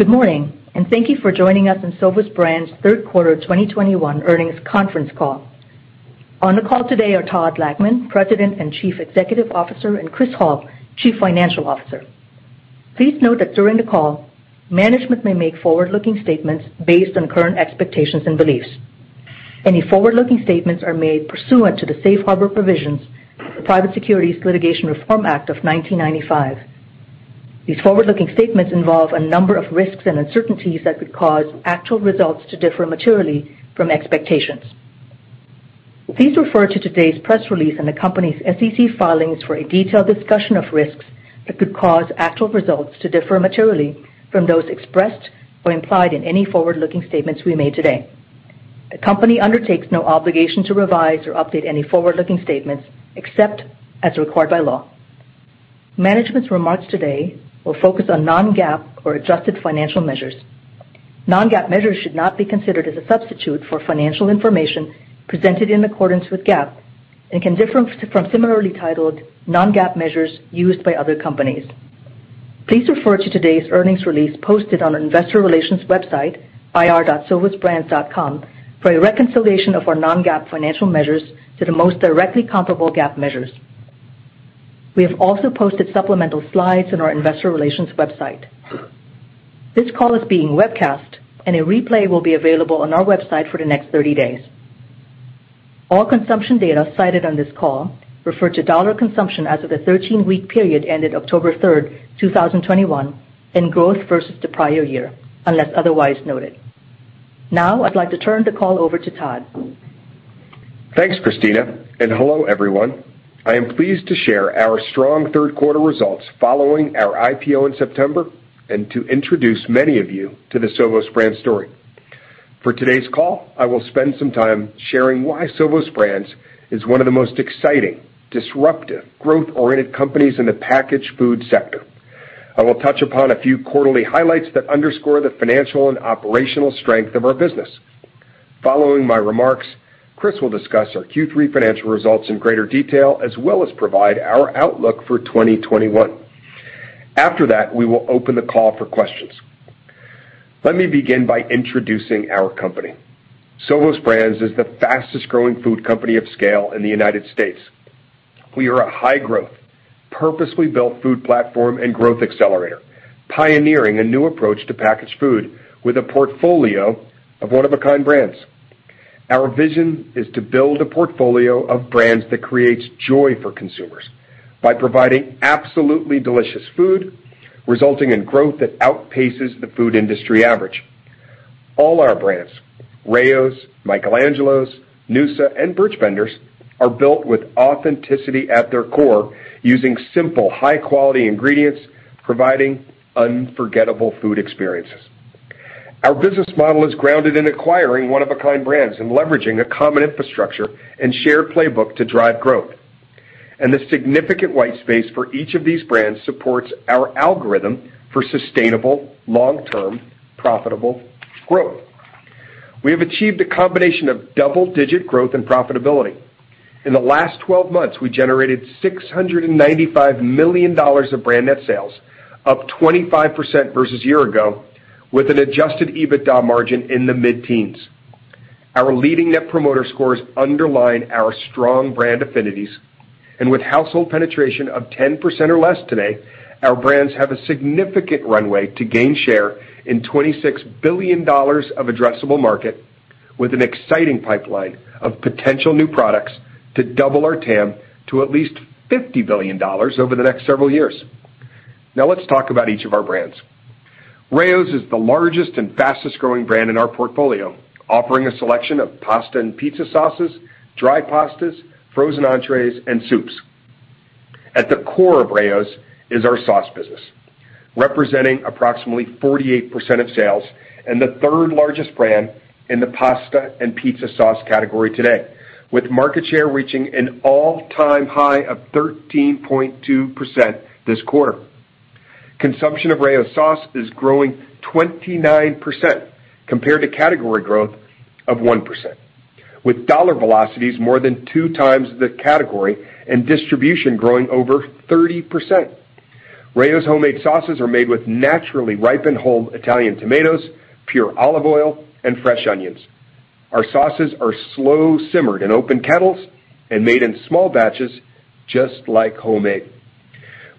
Good morning, and thank you for joining us on Sovos Brands' third quarter 2021 earnings conference call. On the call today are Todd Lachman, President and Chief Executive Officer, and Chris Hall, Chief Financial Officer. Please note that during the call, management may make forward-looking statements based on current expectations and beliefs. Any forward-looking statements are made pursuant to the safe harbor provisions of the Private Securities Litigation Reform Act of 1995. These forward-looking statements involve a number of risks and uncertainties that could cause actual results to differ materially from expectations. Please refer to today's press release in the company's SEC filings for a detailed discussion of risks that could cause actual results to differ materially from those expressed or implied in any forward-looking statements we made today. The company undertakes no obligation to revise or update any forward-looking statements except as required by law. Management's remarks today will focus on non-GAAP or adjusted financial measures. Non-GAAP measures should not be considered as a substitute for financial information presented in accordance with GAAP and can differ from similarly titled non-GAAP measures used by other companies. Please refer to today's earnings release posted on our investor relations website, ir.sovosbrands.com, for a reconciliation of our non-GAAP financial measures to the most directly comparable GAAP measures. We have also posted supplemental slides on our investor relations website. This call is being webcast, and a replay will be available on our website for the next 30 days. All consumption data cited on this call refer to dollar consumption as of the 13-week period ended October 3, 2021, and growth versus the prior year, unless otherwise noted. Now, I'd like to turn the call over to Todd. Thanks, Christina, and hello, everyone. I am pleased to share our strong third quarter results following our IPO in September and to introduce many of you to the Sovos Brands story. For today's call, I will spend some time sharing why Sovos Brands is one of the most exciting, disruptive, growth-oriented companies in the packaged food sector. I will touch upon a few quarterly highlights that underscore the financial and operational strength of our business. Following my remarks, Chris will discuss our Q3 financial results in greater detail as well as provide our outlook for 2021. After that, we will open the call for questions. Let me begin by introducing our company. Sovos Brands is the fastest-growing food company of scale in the United States. We are a high-growth, purposely built food platform and growth accelerator, pioneering a new approach to packaged food with a portfolio of one-of-a-kind brands. Our vision is to build a portfolio of brands that creates joy for consumers by providing absolutely delicious food, resulting in growth that outpaces the food industry average. All our brands, Rao's, Michael Angelo's, noosa, and Birch Benders, are built with authenticity at their core using simple, high-quality ingredients, providing unforgettable food experiences. Our business model is grounded in acquiring one-of-a-kind brands and leveraging a common infrastructure and shared playbook to drive growth. The significant white space for each of these brands supports our algorithm for sustainable, long-term, profitable growth. We have achieved a combination of double-digit growth and profitability. In the last twelve months, we generated $695 million of brand net sales, up 25% versus year ago, with an adjusted EBITDA margin in the mid-teens. Our leading Net Promoter Scores underline our strong brand affinities. With household penetration of 10% or less today, our brands have a significant runway to gain share in $26 billion of addressable market with an exciting pipeline of potential new products to double our TAM to at least $50 billion over the next several years. Now let's talk about each of our brands. Rao's is the largest and fastest growing brand in our portfolio, offering a selection of pasta and pizza sauces, dry pastas, frozen entrees, and soups. At the core of Rao's is our sauce business, representing approximately 48% of sales and the third-largest brand in the pasta and pizza sauce category today, with market share reaching an all-time high of 13.2% this quarter. Consumption of Rao's sauce is growing 29% compared to category growth of 1%, with dollar velocities more than 2x the category and distribution growing over 30%. Rao's Homemade sauces are made with naturally ripened whole Italian tomatoes, pure olive oil, and fresh onions. Our sauces are slow simmered in open kettles and made in small batches just like homemade.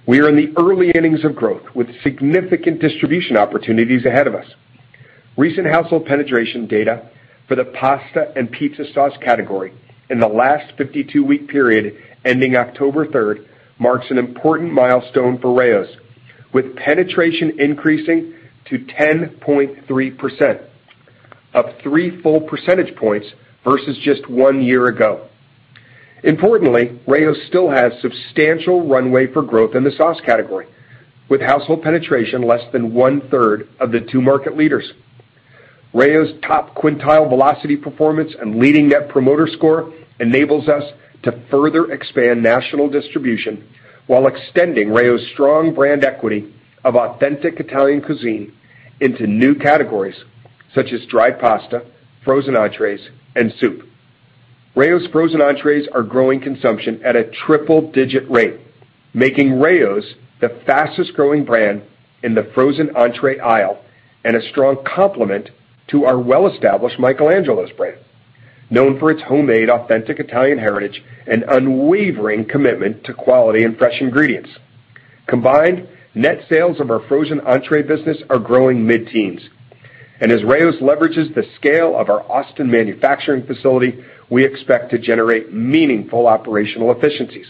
We are in the early innings of growth, with significant distribution opportunities ahead of us. Recent household penetration data for the pasta and pizza sauce category in the last 52-week period ending October 3 marks an important milestone for Rao's, with penetration increasing to 10.3%, up 3 full percentage points versus just 1 year ago. Importantly, Rao's still has substantial runway for growth in the sauce category, with household penetration less than 1/3 of the two market leaders. Rao's top quintile velocity performance and leading Net Promoter Score enables us to further expand national distribution while extending Rao's strong brand equity of authentic Italian cuisine into new categories such as dry pasta, frozen entrées, and soup. Rao's frozen entrées are growing consumption at a triple-digit rate, making Rao's the fastest-growing brand in the frozen entrée aisle and a strong complement to our well-established Michael Angelo's brand, known for its homemade authentic Italian heritage and unwavering commitment to quality and fresh ingredients. Combined, net sales of our frozen entrée business are growing mid-teens. As Rao's leverages the scale of our Austin manufacturing facility, we expect to generate meaningful operational efficiencies.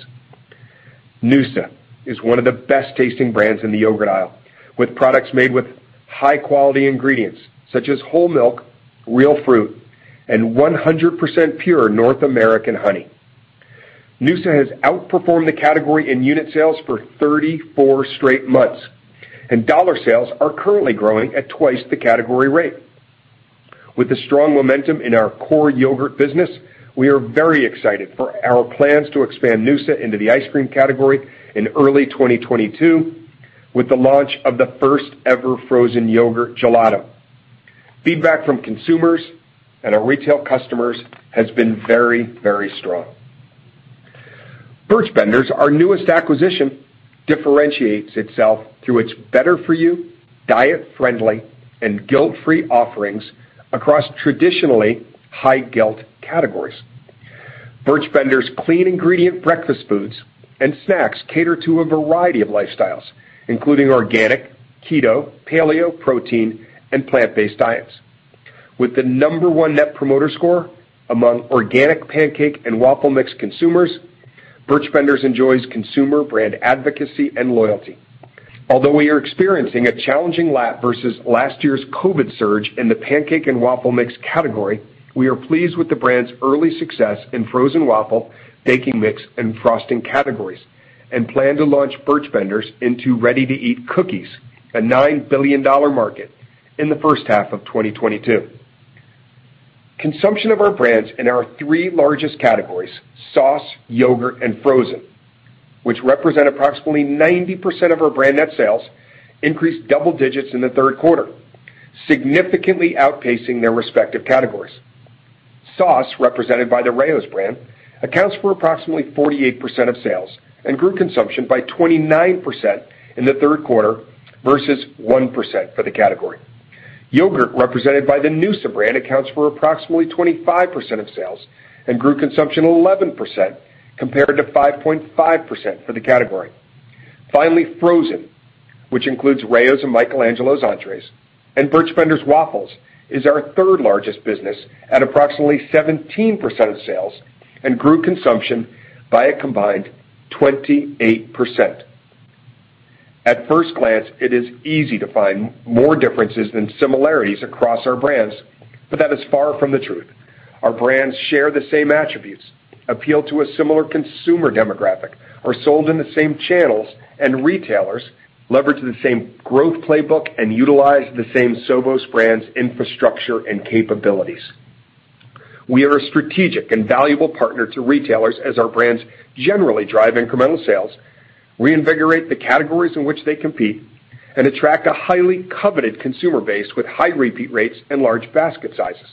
Noosa is one of the best-tasting brands in the yogurt aisle, with products made with high-quality ingredients such as whole milk, real fruit, and 100% pure North American honey. noosa has outperformed the category in unit sales for 34 straight months, and dollar sales are currently growing at twice the category rate. With the strong momentum in our core yogurt business, we are very excited for our plans to expand noosa into the ice cream category in early 2022, with the launch of the first ever Frozen Yogurt Gelato. Feedback from consumers and our retail customers has been very, very strong. Birch Benders, our newest acquisition, differentiates itself through its better for you, diet-friendly, and guilt-free offerings across traditionally high-guilt categories. Birch Benders' clean ingredient breakfast foods and snacks cater to a variety of lifestyles, including organic, keto, paleo, protein, and plant-based diets. With the number one Net Promoter Score among organic pancake and waffle mix consumers, Birch Benders enjoys consumer brand advocacy and loyalty. Although we are experiencing a challenging lap versus last year's COVID surge in the pancake and waffle mix category, we are pleased with the brand's early success in frozen waffle, baking mix, and frosting categories, and plan to launch Birch Benders into ready-to-eat cookies, a $9 billion market, in the first half of 2022. Consumption of our brands in our three largest categories, sauce, yogurt, and frozen, which represent approximately 90% of our brand net sales, increased double digits in the third quarter, significantly outpacing their respective categories. Sauce, represented by the Rao's brand, accounts for approximately 48% of sales and grew consumption by 29% in the third quarter versus 1% for the category. Yogurt, represented by the noosa brand, accounts for approximately 25% of sales and grew consumption 11% compared to 5.5% for the category. Finally, frozen, which includes Rao's and Michael Angelo's entrées and Birch Benders waffles, is our third-largest business at approximately 17% of sales and grew consumption by a combined 28%. At first glance, it is easy to find more differences than similarities across our brands, but that is far from the truth. Our brands share the same attributes, appeal to a similar consumer demographic, are sold in the same channels and retailers leverage the same growth playbook and utilize the same Sovos Brands infrastructure and capabilities. We are a strategic and valuable partner to retailers as our brands generally drive incremental sales, reinvigorate the categories in which they compete, and attract a highly coveted consumer base with high repeat rates and large basket sizes.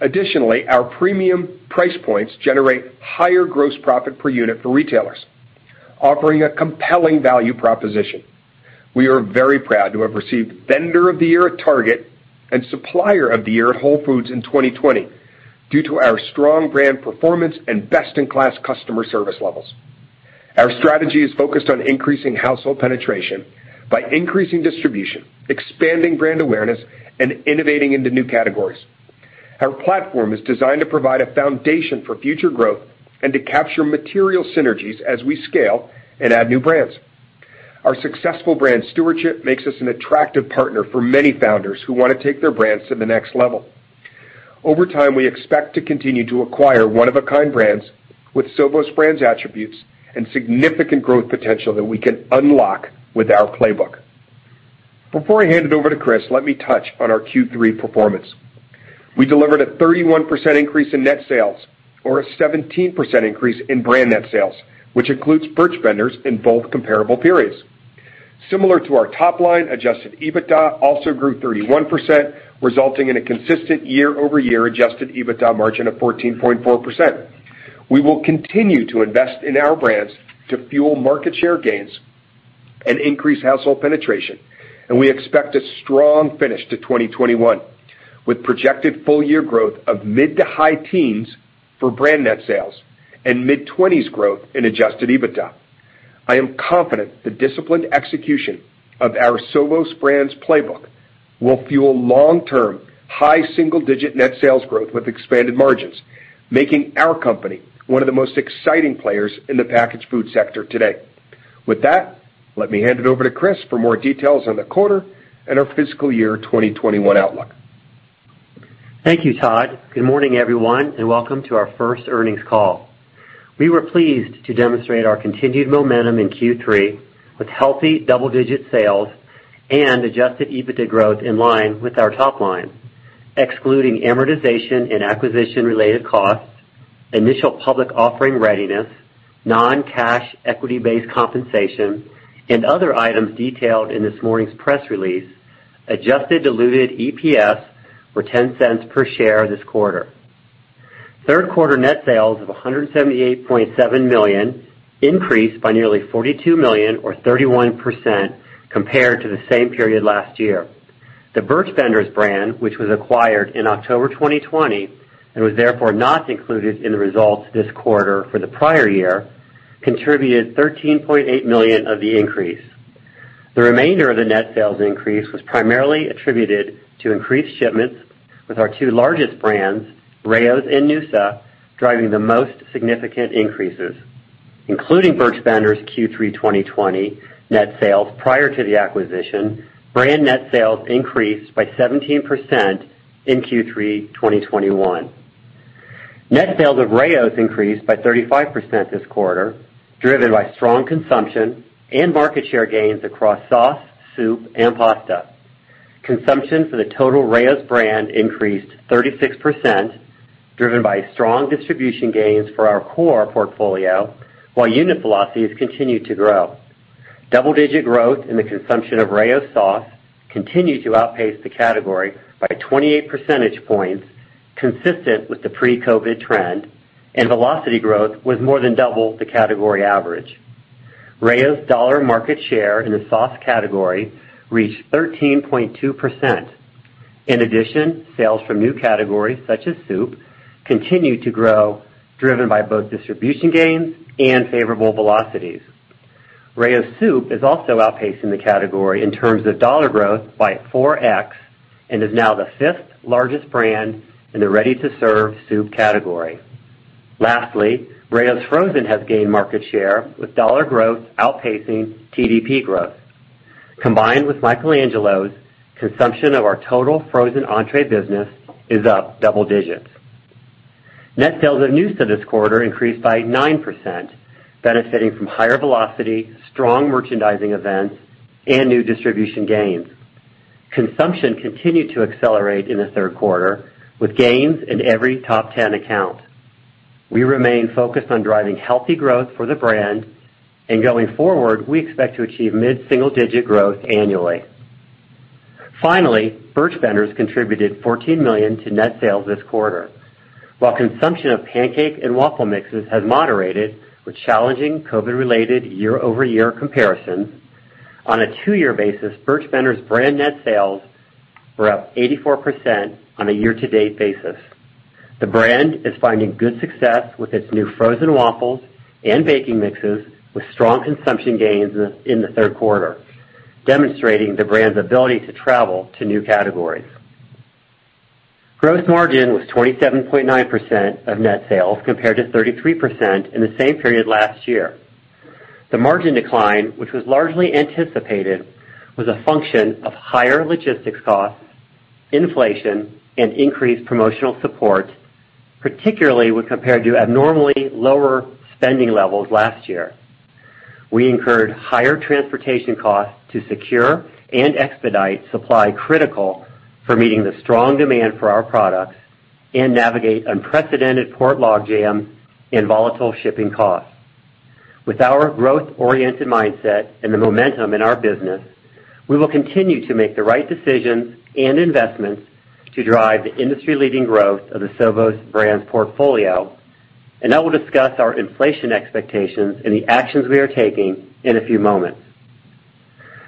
Additionally, our premium price points generate higher gross profit per unit for retailers, offering a compelling value proposition. We are very proud to have received Vendor of the Year at Target and Supplier of the Year at Whole Foods in 2020 due to our strong brand performance and best-in-class customer service levels. Our strategy is focused on increasing household penetration by increasing distribution, expanding brand awareness, and innovating into new categories. Our platform is designed to provide a foundation for future growth and to capture material synergies as we scale and add new brands. Our successful brand stewardship makes us an attractive partner for many founders who wanna take their brands to the next level. Over time, we expect to continue to acquire one-of-a-kind brands with Sovos Brands attributes and significant growth potential that we can unlock with our playbook. Before I hand it over to Chris, let me touch on our Q3 performance. We delivered a 31% increase in net sales or a 17% increase in brand net sales, which includes Birch Benders in both comparable periods. Similar to our top line, adjusted EBITDA also grew 31%, resulting in a consistent year-over-year adjusted EBITDA margin of 14.4%. We will continue to invest in our brands to fuel market share gains and increase household penetration, and we expect a strong finish to 2021, with projected full-year growth of mid- to high-teens% for brand net sales and mid-twenties% growth in adjusted EBITDA. I am confident the disciplined execution of our Sovos Brands playbook will fuel long-term high single-digit net sales growth with expanded margins, making our company one of the most exciting players in the packaged food sector today. With that, let me hand it over to Chris for more details on the quarter and our fiscal year 2021 outlook. Thank you, Todd. Good morning, everyone, and welcome to our first earnings call. We were pleased to demonstrate our continued momentum in Q3 with healthy double-digit sales and adjusted EBITDA growth in line with our top line. Excluding amortization and acquisition-related costs, initial public offering readiness, non-cash equity-based compensation, and other items detailed in this morning's press release. Adjusted diluted EPS were 0.10 per share this quarter. Third quarter net sales of $178.7 million increased by nearly 42 million or 31% compared to the same period last year. The Birch Benders brand, which was acquired in October 2020 and was therefore not included in the results this quarter for the prior year, contributed 13.8 million of the increase. The remainder of the net sales increase was primarily attributed to increased shipments with our two largest brands, Rao's and noosa, driving the most significant increases, including Birch Benders Q3 2020 net sales prior to the acquisition, brand net sales increased by 17% in Q3 2021. Net sales of Rao's increased by 35% this quarter, driven by strong consumption and market share gains across sauce, soup, and pasta. Consumption for the total Rao's brand increased 36%, driven by strong distribution gains for our core portfolio, while unit velocities continued to grow. Double-digit growth in the consumption of Rao's sauce continued to outpace the category by 28 percentage points, consistent with the pre-COVID trend, and velocity growth was more than double the category average. Rao's dollar market share in the sauce category reached 13.2%. In addition, sales from new categories, such as soup, continued to grow, driven by both distribution gains and favorable velocities. Rao's soup is also outpacing the category in terms of dollar growth by 4x and is now the fifth-largest brand in the ready-to-serve soup category. Lastly, Rao's Frozen has gained market share with dollar growth outpacing TDP growth. Combined with Michael Angelo's, consumption of our total frozen entrée business is up double digits. Net sales at noosa this quarter increased by 9%, benefiting from higher velocity, strong merchandising events, and new distribution gains. Consumption continued to accelerate in the third quarter with gains in every top ten account. We remain focused on driving healthy growth for the brand, and going forward, we expect to achieve mid-single-digit growth annually. Finally, Birch Benders contributed 14 million to net sales this quarter. While consumption of pancake and waffle mixes has moderated with challenging COVID-related year-over-year comparisons, on a two-year basis, Birch Benders brand net sales were up 84% on a year-to-date basis. The brand is finding good success with its new frozen waffles and baking mixes with strong consumption gains in the third quarter, demonstrating the brand's ability to travel to new categories. Gross margin was 27.9% of net sales compared to 33% in the same period last year. The margin decline, which was largely anticipated, was a function of higher logistics costs, inflation, and increased promotional support, particularly when compared to abnormally lower spending levels last year. We incurred higher transportation costs to secure and expedite supply critical for meeting the strong demand for our products and navigate unprecedented port logjam and volatile shipping costs. With our growth-oriented mindset and the momentum in our business, we will continue to make the right decisions and investments to drive the industry-leading growth of the Sovos Brands portfolio, and I will discuss our inflation expectations and the actions we are taking in a few moments.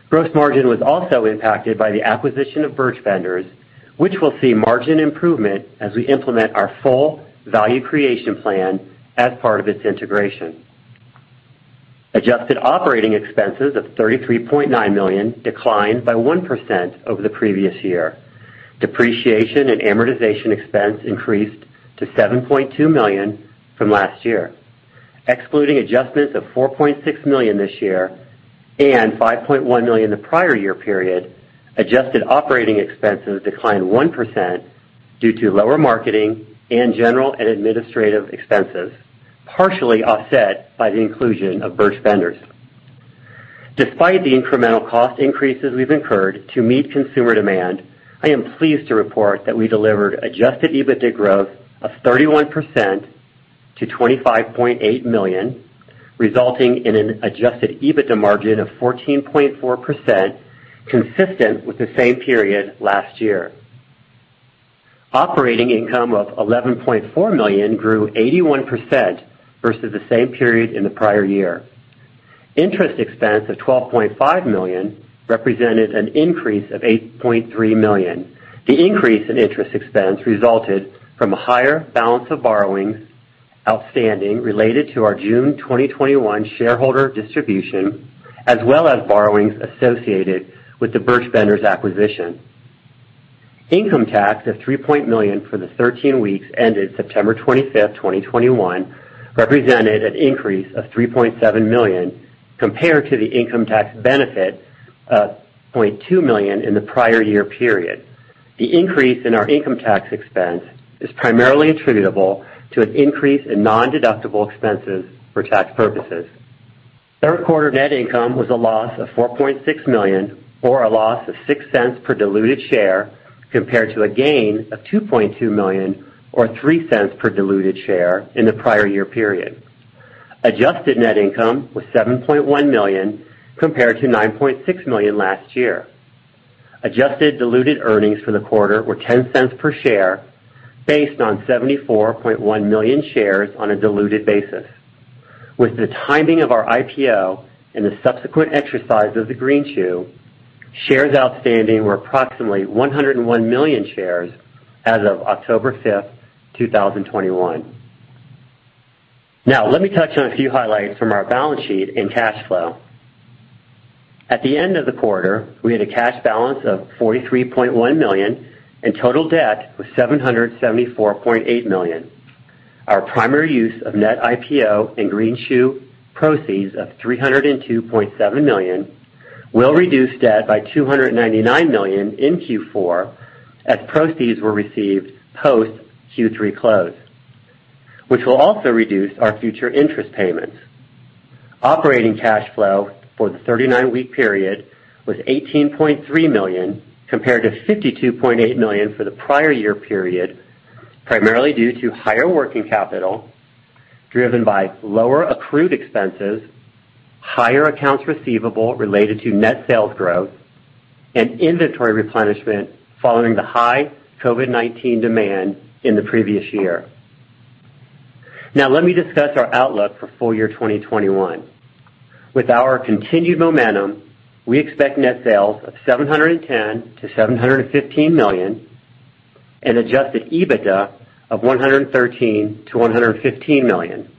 Gross margin was also impacted by the acquisition of Birch Benders, which will see margin improvement as we implement our full value creation plan as part of its integration. Adjusted operating expenses of 33.9 million declined by 1% over the previous year. Depreciation and amortization expense increased to 7.2 million from last year. Excluding adjustments of 4.6 million this year and 5.1 million the prior year period, adjusted operating expenses declined 1% due to lower marketing and general and administrative expenses, partially offset by the inclusion of Birch Benders. Despite the incremental cost increases we've incurred to meet consumer demand, I am pleased to report that we delivered adjusted EBITDA growth of 31% to 25.8 million, resulting in an adjusted EBITDA margin of 14.4%, consistent with the same period last year. Operating income of 11.4 million grew 81% versus the same period in the prior year. Interest expense of 12.5 million represented an increase of 8.3 million. The increase in interest expense resulted from a higher balance of borrowings outstanding related to our June 2021 shareholder distribution, as well as borrowings associated with the Birch Benders acquisition. Income tax of 3.0 million for the 13 weeks ended September 25, 2021, represented an increase of 3.7 million compared to the income tax benefit of 0.2 million in the prior year period. The increase in our income tax expense is primarily attributable to an increase in nondeductible expenses for tax purposes. Third quarter net income was a loss of 4.6 million or a loss of 0.06 per diluted share compared to a gain of 2.2 million or 0.03 per diluted share in the prior year period. Adjusted net income was 7.1 million compared to 9.6 million last year. Adjusted diluted earnings for the quarter were 0.10 per share based on 74.1 million shares on a diluted basis. With the timing of our IPO and the subsequent exercise of the greenshoe, shares outstanding were approximately 101 million shares as of October 5, 2021. Now, let me touch on a few highlights from our balance sheet and cash flow. At the end of the quarter, we had a cash balance of 43.1 million, and total debt was 774.8 million. Our primary use of net IPO and greenshoe proceeds of 302.7 million will reduce debt by 299 million in Q4 as proceeds were received post Q3 close, which will also reduce our future interest payments. Operating cash flow for the 39-week period was 18.3 million, compared to 52.8 million for the prior year period, primarily due to higher working capital, driven by lower accrued expenses, higher accounts receivable related to net sales growth, and inventory replenishment following the high COVID-19 demand in the previous year. Now let me discuss our outlook for full year 2021. With our continued momentum, we expect net sales of 710 million-715 million and adjusted EBITDA of 113 million-115 million.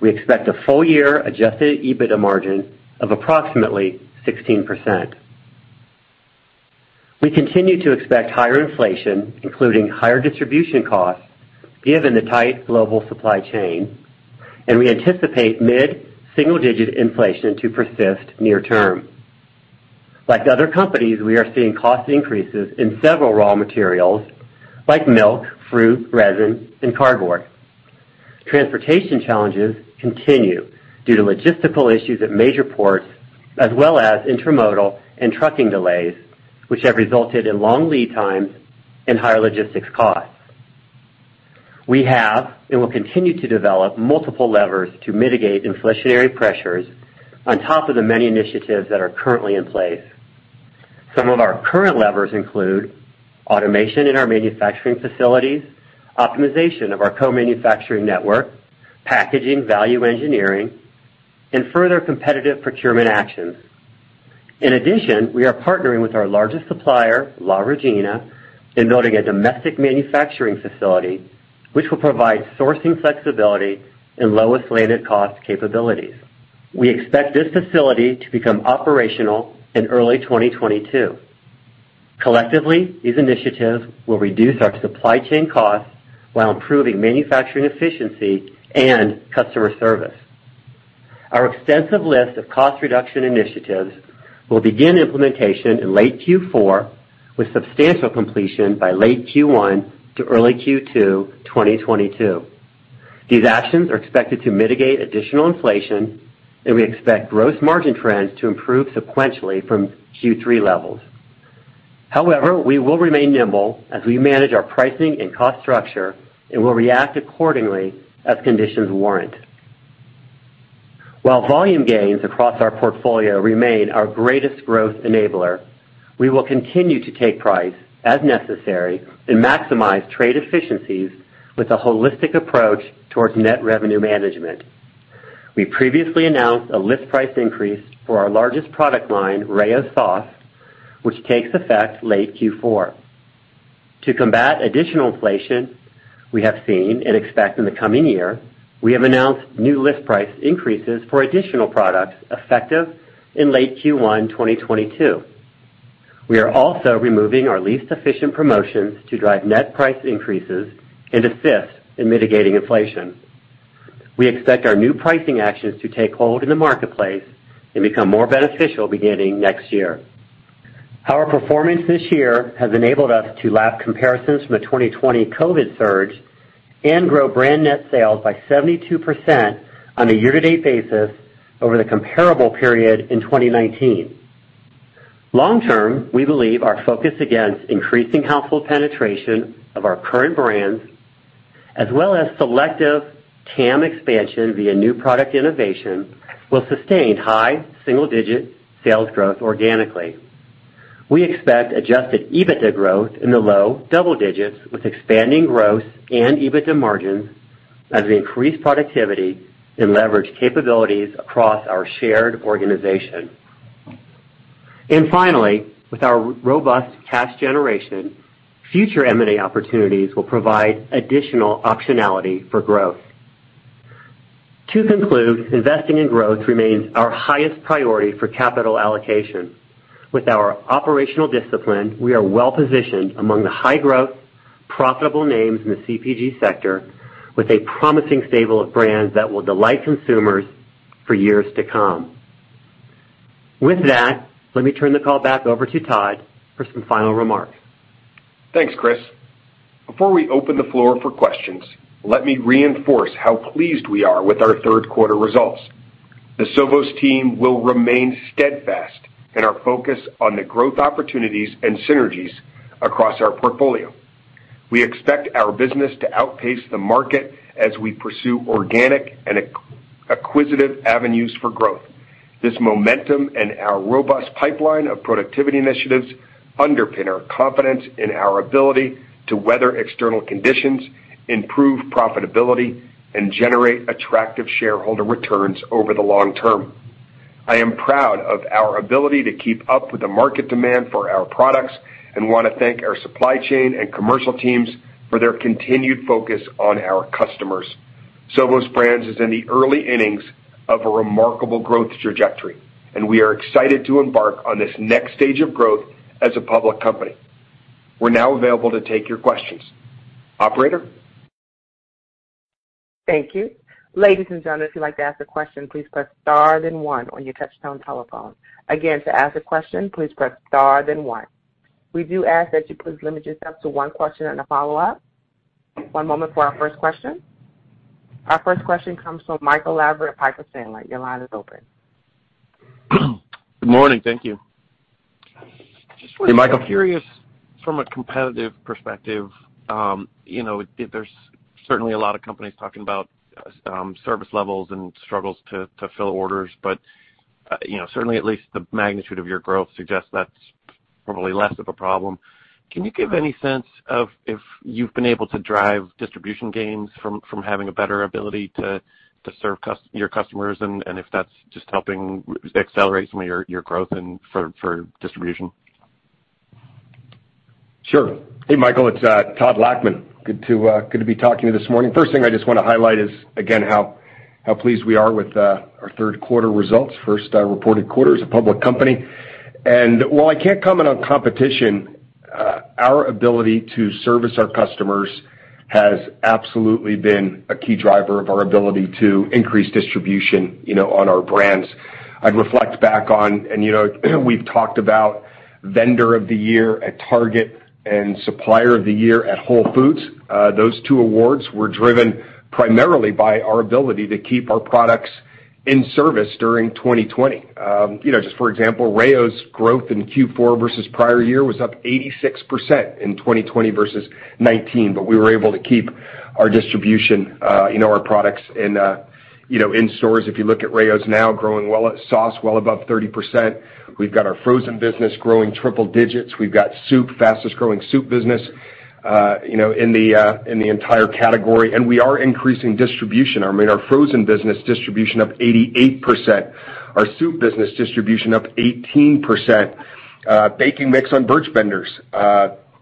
We expect a full year adjusted EBITDA margin of approximately 16%. We continue to expect higher inflation, including higher distribution costs, given the tight global supply chain, and we anticipate mid-single digit inflation to persist near term. Like other companies, we are seeing cost increases in several raw materials like milk, fruit, resin, and cardboard. Transportation challenges continue due to logistical issues at major ports, as well as intermodal and trucking delays, which have resulted in long lead times and higher logistics costs. We have, and will continue to develop multiple levers to mitigate inflationary pressures on top of the many initiatives that are currently in place. Some of our current levers include automation in our manufacturing facilities, optimization of our co-manufacturing network, packaging value engineering, and further competitive procurement actions. In addition, we are partnering with our largest supplier, La Regina, in building a domestic manufacturing facility which will provide sourcing flexibility and lowest landed cost capabilities. We expect this facility to become operational in early 2022. Collectively, these initiatives will reduce our supply chain costs while improving manufacturing efficiency and customer service. Our extensive list of cost reduction initiatives will begin implementation in late Q4 with substantial completion by late Q1 to early Q2 2022. These actions are expected to mitigate additional inflation, and we expect gross margin trends to improve sequentially from Q3 levels. However, we will remain nimble as we manage our pricing and cost structure and will react accordingly as conditions warrant. While volume gains across our portfolio remain our greatest growth enabler, we will continue to take price as necessary and maximize trade efficiencies with a holistic approach towards net revenue management. We previously announced a list price increase for our largest product line, Rao's Sauce, which takes effect late Q4. To combat additional inflation we have seen and expect in the coming year, we have announced new list price increases for additional products effective in late Q1 2022. We are also removing our least efficient promotions to drive net price increases and assist in mitigating inflation. We expect our new pricing actions to take hold in the marketplace and become more beneficial beginning next year. Our performance this year has enabled us to lap comparisons from the 2020 COVID surge and grow brand net sales by 72% on a year-to-date basis over the comparable period in 2019. Long term, we believe our focus against increasing household penetration of our current brands, as well as selective TAM expansion via new product innovation, will sustain high single-digit sales growth organically. We expect adjusted EBITDA growth in the low double-digits with expanding gross and EBITDA margins as we increase productivity and leverage capabilities across our shared organization. Finally, with our robust cash generation, future M&A opportunities will provide additional optionality for growth. To conclude, investing in growth remains our highest priority for capital allocation. With our operational discipline, we are well positioned among the high-growth, profitable names in the CPG sector with a promising stable of brands that will delight consumers for years to come. With that, let me turn the call back over to Todd for some final remarks. Thanks, Chris. Before we open the floor for questions, let me reinforce how pleased we are with our third quarter results. The Sovos team will remain steadfast in our focus on the growth opportunities and synergies across our portfolio. We expect our business to outpace the market as we pursue organic and acquisitive avenues for growth. This momentum and our robust pipeline of productivity initiatives underpin our confidence in our ability to weather external conditions, improve profitability, and generate attractive shareholder returns over the long term. I am proud of our ability to keep up with the market demand for our products and wanna thank our supply chain and commercial teams for their continued focus on our customers. Sovos Brands is in the early innings of a remarkable growth trajectory, and we are excited to embark on this next stage of growth as a public company. We're now available to take your questions. Operator? Thank you. Ladies and gentlemen, if you'd like to ask a question, please press star then one on your touch-tone telephone. Again, to ask a question, please press star then one. We do ask that you please limit yourself to one question and a follow-up. One moment for our first question. Our first question comes from Michael Lavery at Piper Sandler. Your line is open. Good morning. Thank you. Hey, Michael. Just curious from a competitive perspective, you know, if there's certainly a lot of companies talking about service levels and struggles to fill orders. You know, certainly at least the magnitude of your growth suggests that's probably less of a problem. Can you give any sense of if you've been able to drive distribution gains from having a better ability to serve your customers, and if that's just helping accelerate some of your growth and for distribution? Sure. Hey, Michael, it's Todd Lachman. Good to be talking to you this morning. First thing I just wanna highlight is, again, how pleased we are with our third quarter results, first reported quarter as a public company. While I can't comment on competition, our ability to service our customers has absolutely been a key driver of our ability to increase distribution, you know, on our brands. I'd reflect back on, you know, we've talked about Vendor of the Year at Target and Supplier of the Year at Whole Foods. Those two awards were driven primarily by our ability to keep our products in service during 2020. You know, just for example, Rao's growth in Q4 versus prior year was up 86% in 2020 versus 2019, but we were able to keep our distribution, you know, our products in, you know, in stores. If you look at Rao's now growing well, sauce well above 30%. We've got our frozen business growing triple digits. We've got soup, fastest-growing soup business, you know, in the entire category. We are increasing distribution. I mean, our frozen business distribution up 88%. Our soup business distribution up 18%. Baking mix on Birch Benders,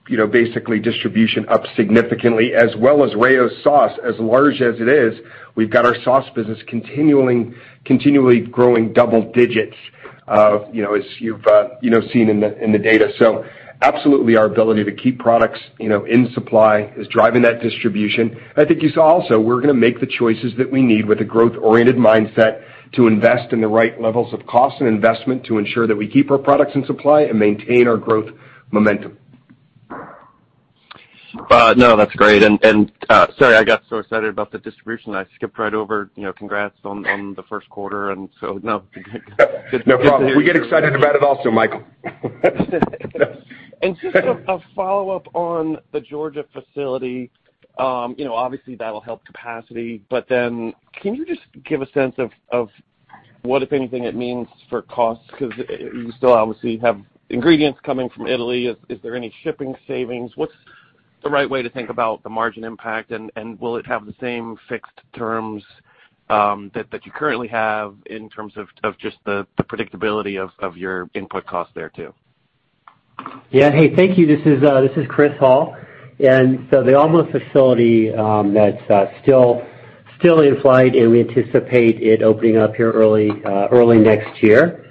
you know, basically distribution up significantly. As well as Rao's sauce, as large as it is, we've got our sauce business continually growing double digits, you know, as you've, you know, seen in the data. Absolutely our ability to keep products, you know, in supply is driving that distribution. I think you saw also we're gonna make the choices that we need with a growth-oriented mindset to invest in the right levels of cost and investment to ensure that we keep our products in supply and maintain our growth momentum. No, that's great. Sorry, I got so excited about the distribution, I skipped right over, you know, congrats on the first quarter. No problem. We get excited about it also, Michael. Just a follow-up on the Georgia facility. You know, obviously that'll help capacity, but then can you just give a sense of what, if anything, it means for costs? 'Cause you still obviously have ingredients coming from Italy. Is there any shipping savings? What's the right way to think about the margin impact? Will it have the same fixed terms that you currently have in terms of just the predictability of your input costs there too? Yeah. Hey, thank you. This is Chris Hall. The Alma facility, that's still in flight, and we anticipate it opening up here early next year,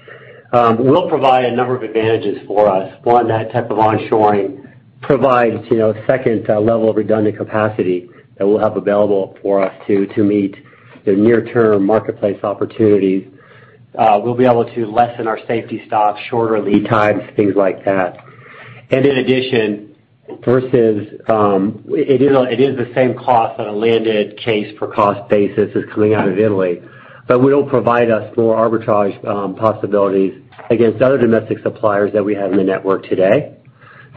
will provide a number of advantages for us. One, that type of onshoring provides, you know, a second level of redundant capacity that we'll have available for us to meet the near-term marketplace opportunities. We'll be able to lessen our safety stocks, shorter lead times, things like that. In addition, versus, it is the same cost on a landed case per cost basis as coming out of Italy. It'll provide us more arbitrage possibilities against other domestic suppliers that we have in the network today.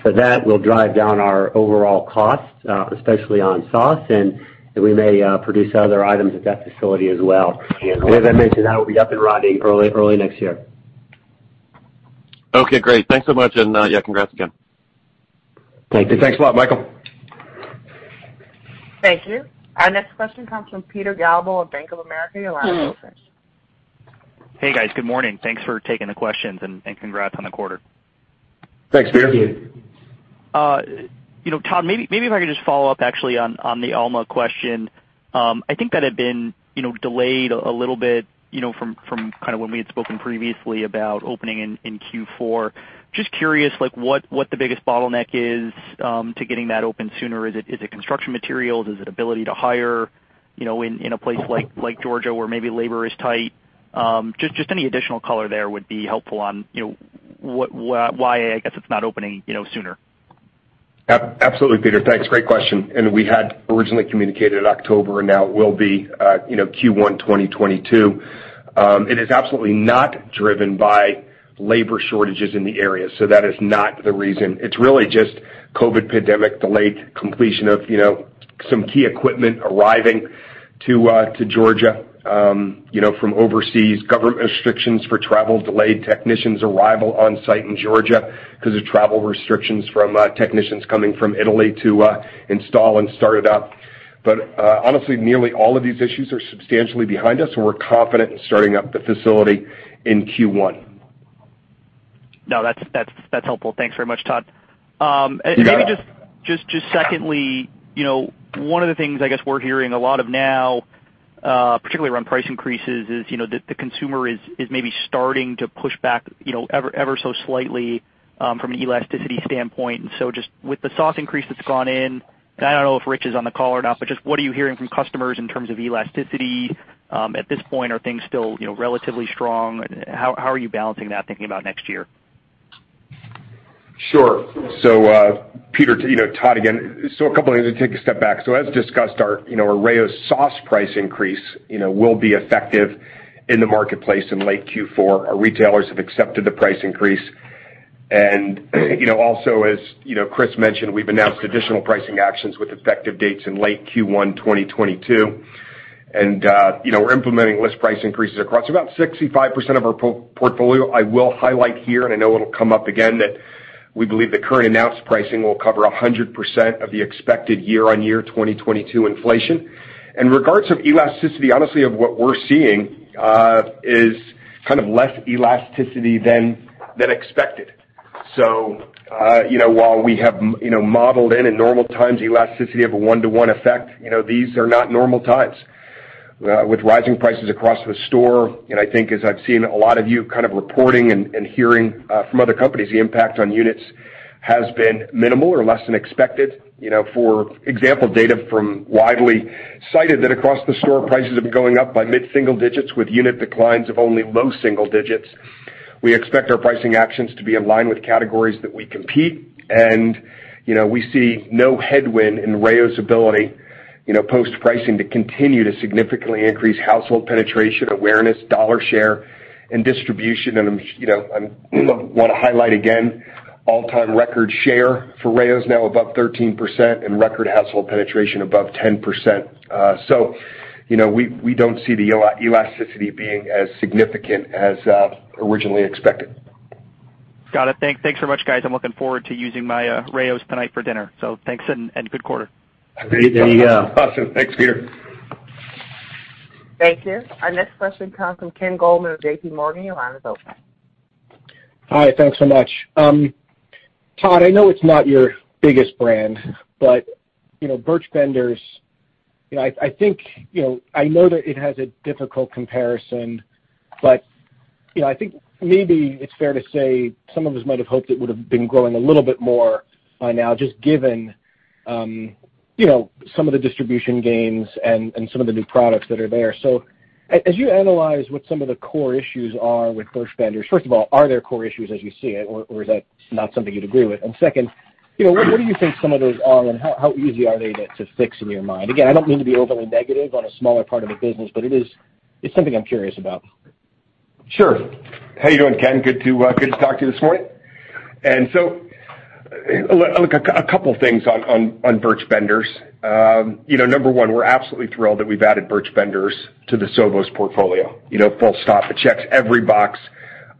That will drive down our overall costs, especially on sauce, and we may produce other items at that facility as well. As I mentioned, that'll be up and running early next year. Okay, great. Thanks so much. Yeah, congrats again. Thank you. Thanks a lot, Michael. Thank you. Our next question comes from Peter Galbo of Bank of America. Your line is open. Hey, guys. Good morning. Thanks for taking the questions and congrats on the quarter. Thanks, Peter. Thank you. You know, Todd, maybe if I could just follow up actually on the Alma question. I think that had been, you know, delayed a little bit, you know, from kind of when we had spoken previously about opening in Q4. Just curious like what the biggest bottleneck is to getting that open sooner. Is it construction materials? Is it ability to hire, you know, in a place like Georgia where maybe labor is tight? Just any additional color there would be helpful on, you know, what, why, I guess it's not opening sooner. Absolutely, Peter. Thanks. Great question. We had originally communicated October, and now it will be, you know, Q1 2022. It is absolutely not driven by labor shortages in the area, so that is not the reason. It's really just COVID pandemic delayed completion of, you know, some key equipment arriving to Georgia, you know, from overseas. Government restrictions for travel delayed technicians' arrival on site in Georgia because of travel restrictions from technicians coming from Italy to install and start it up. Honestly, nearly all of these issues are substantially behind us, and we're confident in starting up the facility in Q1. No, that's helpful. Thanks very much, Todd. Maybe just secondly, you know, one of the things I guess we're hearing a lot of now, particularly around price increases is, you know, the consumer is maybe starting to push back, you know, ever so slightly, from an elasticity standpoint. Just with the sauce increase that's gone in, and I don't know if Rich is on the call or not, but just what are you hearing from customers in terms of elasticity? At this point, are things still, you know, relatively strong? How are you balancing that thinking about next year? Sure. Peter, you know, Todd again. A couple of things to take a step back. As discussed, our, you know, our Rao's sauce price increase, you know, will be effective in the marketplace in late Q4. Our retailers have accepted the price increase. You know, also, as, you know, Chris mentioned, we've announced additional pricing actions with effective dates in late Q1 2022. You know, we're implementing list price increases across about 65% of our portfolio. I will highlight here, and I know it'll come up again, that we believe the current announced pricing will cover 100% of the expected year-on-year 2022 inflation. In regards of elasticity, honestly, of what we're seeing, is kind of less elasticity than expected. you know, while we have you know modeled in normal times elasticity of a one-to-one effect, you know, these are not normal times. With rising prices across the store, and I think as I've seen a lot of you kind of reporting and hearing from other companies, the impact on units has been minimal or less than expected. You know, for example, data from widely cited that across the store, prices have been going up by mid-single digits with unit declines of only low single digits. We expect our pricing actions to be in line with categories that we compete. you know, we see no headwind in Rao's ability, you know, post-pricing to continue to significantly increase household penetration, awareness, dollar share and distribution. You know, I want to highlight again all-time record share for Rao's now above 13% and record household penetration above 10%. You know, we don't see the elasticity being as significant as originally expected. Got it. Thanks very much, guys. I'm looking forward to using my Rao's tonight for dinner. Thanks and good quarter. Awesome. Thanks, Peter. Thank you. Our next question comes from Ken Goldman of JP Morgan. Your line is open. Hi. Thanks so much. Todd, I know it's not your biggest brand, but, you know, Birch Benders, you know, I think, you know, I know that it has a difficult comparison, but, you know, I think maybe it's fair to say some of us might have hoped it would have been growing a little bit more by now, just given, you know, some of the distribution gains and some of the new products that are there. As you analyze what some of the core issues are with Birch Benders, first of all, are there core issues as you see it, or is that not something you'd agree with? Second, you know, what do you think some of those are and how easy are they to fix in your mind? Again, I don't mean to be overly negative on a smaller part of the business, but it's something I'm curious about. Sure. How you doing, Ken? Good to talk to you this morning. Look, a couple of things on Birch Benders. You know, number one, we're absolutely thrilled that we've added Birch Benders to the Sovos portfolio. You know, full stop. It checks every box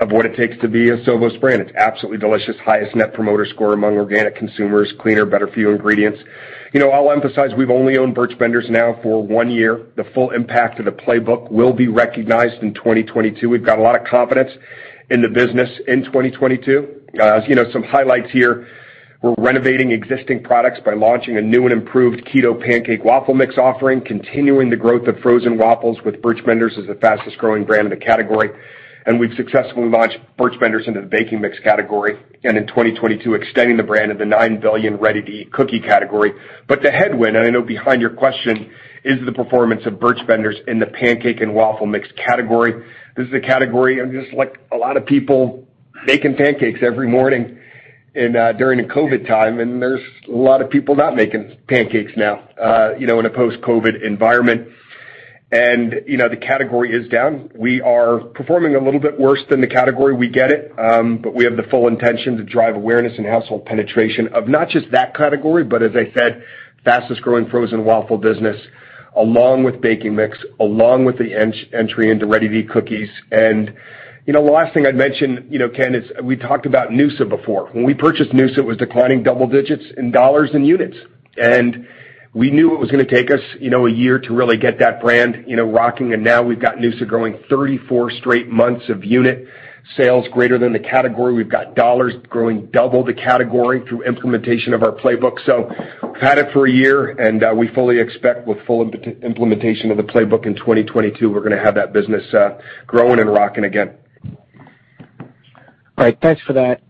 of what it takes to be a Sovos brand. It's absolutely delicious, highest Net Promoter Score among organic consumers, cleaner, better, fewer ingredients. You know, I'll emphasize we've only owned Birch Benders now for one year. The full impact of the playbook will be recognized in 2022. We've got a lot of confidence in the business in 2022. As you know, some highlights here. We're renovating existing products by launching a new and improved Keto Pancake & Waffle Mix offering, continuing the growth of frozen waffles with Birch Benders as the fastest growing brand in the category. We've successfully launched Birch Benders into the baking mix category and in 2022, extending the brand of the $9 billion ready-to-eat cookie category. The headwind, and I know behind your question, is the performance of Birch Benders in the pancake and waffle mix category. This is a category of just like a lot of people making pancakes every morning and during the COVID time, and there's a lot of people not making pancakes now, you know, in a post-COVID environment. You know, the category is down. We are performing a little bit worse than the category. We get it. We have the full intention to drive awareness and household penetration of not just that category, but as I said, fastest growing frozen waffle business, along with baking mix, along with the entry into ready-to-eat cookies. You know, the last thing I'd mention, you know, Ken, is we talked about noosa before. When we purchased noosa, it was declining double digits in dollars and units. We knew it was gonna take us, you know, a year to really get that brand, you know, rocking. Now we've got noosa growing 34 straight months of unit sales greater than the category. We've got dollars growing double the category through implementation of our playbook. We've had it for a year, and we fully expect with full implementation of the playbook in 2022, we're gonna have that business growing and rocking again. All right. Thanks for that.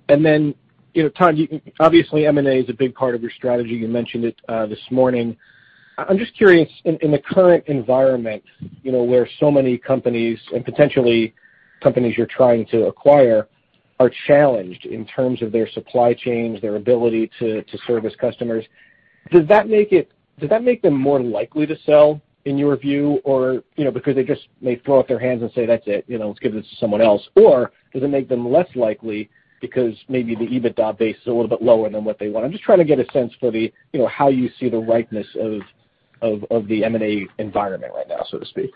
You know, Todd, obviously, M&A is a big part of your strategy. You mentioned it this morning. I'm just curious in the current environment, you know, where so many companies and potentially companies you're trying to acquire are challenged in terms of their supply chains, their ability to service customers. Does that make them more likely to sell in your view or, you know, because they just may throw up their hands and say, "That's it, you know, let's give this to someone else." Or does it make them less likely because maybe the EBITDA base is a little bit lower than what they want? I'm just trying to get a sense for the, you know, how you see the ripeness of the M&A environment right now, so to speak.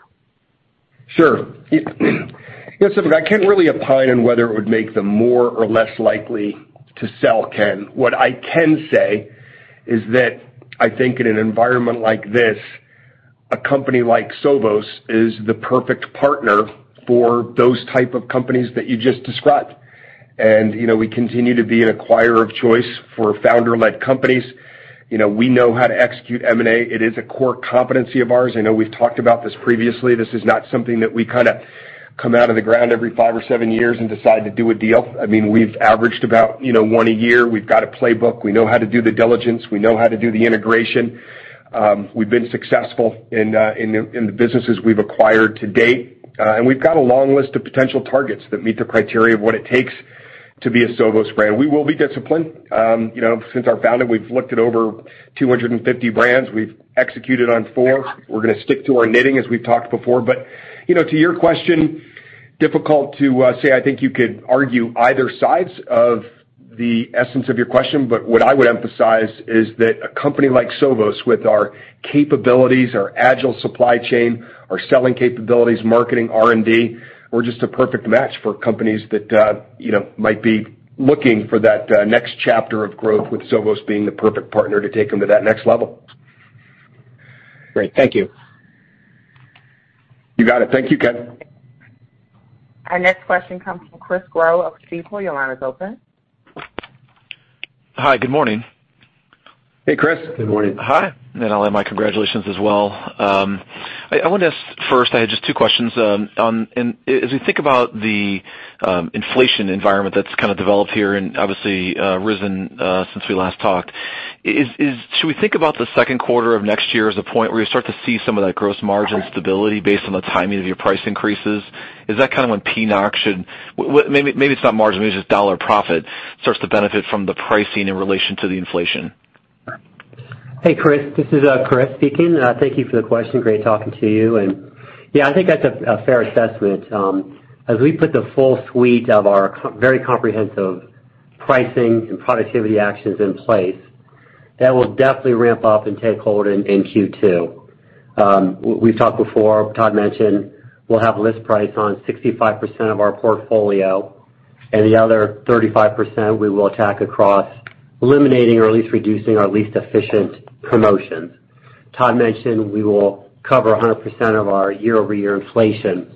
Sure. Yes, look, I can't really opine on whether it would make them more or less likely to sell, Ken. What I can say is that I think in an environment like this, a company like Sovos is the perfect partner for those type of companies that you just described. You know, we continue to be an acquirer of choice for founder-led companies. You know, we know how to execute M&A. It is a core competency of ours. I know we've talked about this previously. This is not something that we kind of come out of the ground every five or seven years and decide to do a deal. I mean, we've averaged about, you know, one a year. We've got a playbook. We know how to do the diligence. We know how to do the integration. We've been successful in the businesses we've acquired to date. We've got a long list of potential targets that meet the criteria of what it takes to be a Sovos Brands brand. We will be disciplined. You know, since our founding, we've looked at over 250 brands. We've executed on four. We're gonna stick to our knitting as we've talked before. You know, to your question, difficult to say, I think you could argue either sides of the essence of your question, but what I would emphasize is that a company like Sovos with our capabilities, our agile supply chain, our selling capabilities, marketing, R&D, we're just a perfect match for companies that, you know, might be looking for that next chapter of growth with Sovos being the perfect partner to take them to that next level. Great. Thank you. You got it. Thank you, Ken. Our next question comes from Chris Growe of Stifel. Your line is open. Hi, good morning. Hey, Chris. Good morning. Hi, all of my congratulations as well. I want to ask first. I had just two questions. As we think about the inflation environment that's kind of developed here and obviously risen since we last talked, should we think about the second quarter of next year as a point where you start to see some of that gross margin stability based on the timing of your price increases? Is that kind of when P&L should... Maybe it's not margin, maybe it's just dollar profit starts to benefit from the pricing in relation to the inflation. Hey, Chris, this is Chris speaking. Thank you for the question. Great talking to you. Yeah, I think that's a fair assessment. As we put the full suite of our very comprehensive pricing and productivity actions in place, that will definitely ramp up and take hold in Q2. We've talked before, Todd mentioned we'll have list price on 65% of our portfolio and the other 35% we will attack across eliminating or at least reducing our least efficient promotions. Todd mentioned we will cover 100% of our year-over-year inflation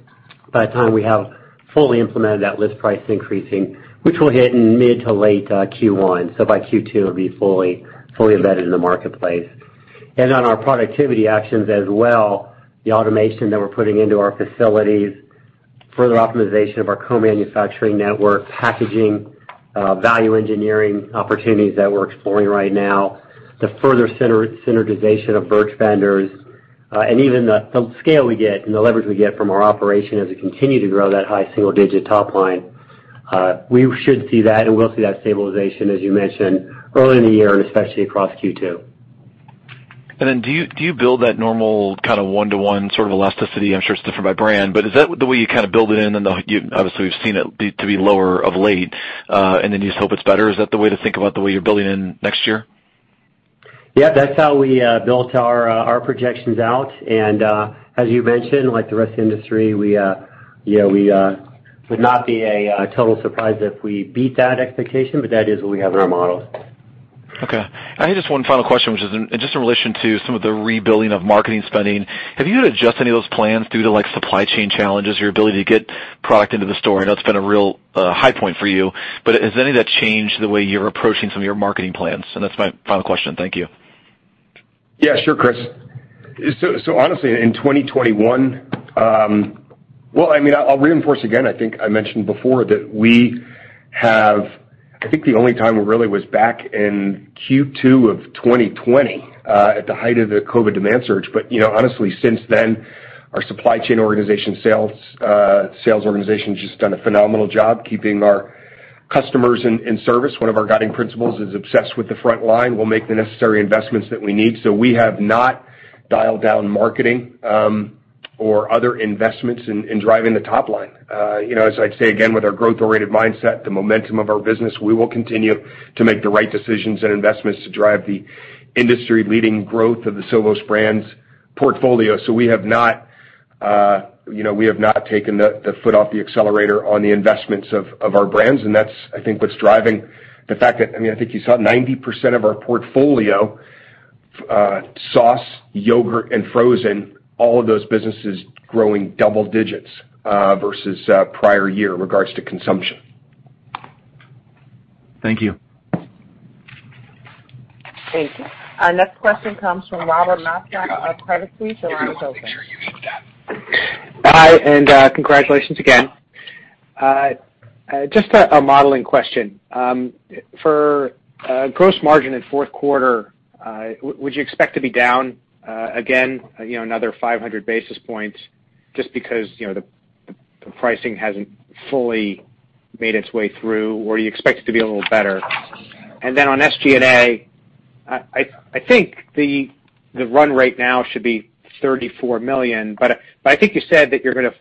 by the time we have fully implemented that list price increasing, which will hit in mid to late Q1. By Q2, it'll be fully embedded in the marketplace. On our productivity actions as well, the automation that we're putting into our facilities, further optimization of our co-manufacturing network, packaging, value engineering opportunities that we're exploring right now, the further synergization of Birch Benders, and even the scale we get and the leverage we get from our operation as we continue to grow that high single digit top line, we should see that and we'll see that stabilization, as you mentioned, early in the year and especially across Q2. Do you build that normal kind of one-to-one sort of elasticity? I'm sure it's different by brand, but is that the way you kind of build it in? Obviously, we've seen it to be lower of late, and then you just hope it's better. Is that the way to think about the way you're building in next year? Yeah, that's how we built our projections out. As you mentioned, like the rest of the industry, we, you know, would not be a total surprise if we beat that expectation, but that is what we have in our models. Okay. I have just one final question, which is in, just in relation to some of the rebuilding of marketing spending. Have you had to adjust any of those plans due to like supply chain challenges or your ability to get product into the store? I know it's been a real high point for you, but has any of that changed the way you're approaching some of your marketing plans? That's my final question. Thank you. Yeah, sure, Chris. Honestly, in 2021, well, I mean, I'll reinforce again. I think I mentioned before that we have. I think the only time it really was back in Q2 of 2020 at the height of the COVID demand surge. You know, honestly, since then, our supply chain organization's just done a phenomenal job keeping our customers in service. One of our guiding principles is obsessed with the front line. We'll make the necessary investments that we need. We have not dialed down marketing or other investments in driving the top line. You know, as I'd say again, with our growth-oriented mindset, the momentum of our business, we will continue to make the right decisions and investments to drive the industry-leading growth of the Sovos Brands portfolio. We have not taken the foot off the accelerator on the investments of our brands. That's, I think, what's driving the fact that, I mean, I think you saw 90% of our portfolio, sauce, yogurt, and frozen, all of those businesses growing double digits, versus prior year in regards to consumption. Thank you. Thank you. Our next question comes from Robert Moskow of Credit Suisse. Your line is open. Hi, congratulations again. Just a modeling question. For gross margin in fourth quarter, would you expect to be down again, you know, another 500 basis points? Just because, you know, the pricing hasn't fully made its way through, or you expect it to be a little better. On SG&A, I think the run rate now should be 34 million. I think you said that you're gonna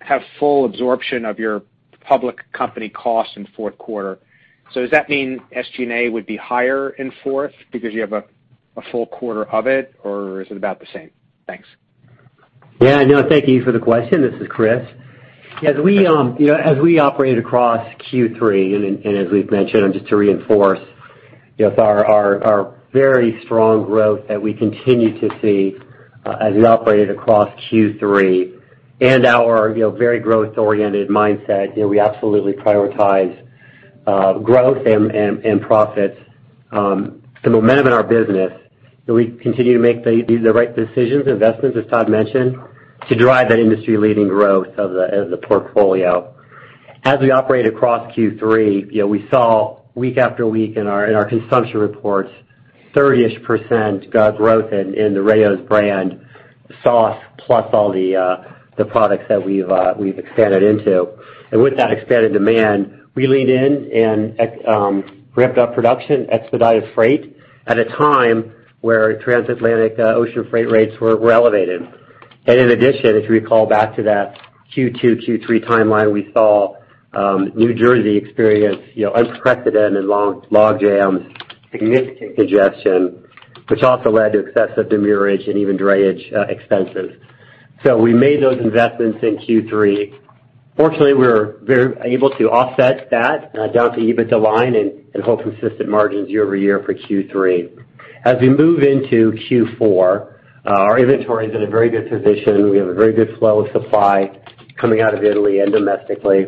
have full absorption of your public company costs in fourth quarter. Does that mean SG&A would be higher in fourth because you have a full quarter of it, or is it about the same? Thanks. Yeah, no, thank you for the question. This is Chris. As we operated across Q3 and as we've mentioned, and just to reinforce, you know, our very strong growth that we continue to see as we operated across Q3 and our very growth-oriented mindset, you know, we absolutely prioritize growth and profits, the momentum in our business that we continue to make the right decisions, investments, as Todd mentioned, to drive that industry-leading growth of the portfolio. As we operate across Q3, you know, we saw week after week in our consumption reports, 30-ish% growth in the Rao's brand sauce, plus all the products that we've expanded into. With that expanded demand, we leaned in and ramped up production, expedited freight at a time where transatlantic ocean freight rates were elevated. In addition, if you recall back to that Q2, Q3 timeline, we saw New Jersey experienced you know unprecedented log jams, significant congestion, which also led to excessive demurrage and even drayage expenses. We made those investments in Q3. Fortunately, we were very able to offset that down to EBITDA line and hold consistent margins year over year for Q3. As we move into Q4, our inventory is in a very good position. We have a very good flow of supply coming out of Italy and domestically